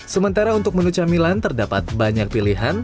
sementara untuk menu camilan terdapat banyak pilihan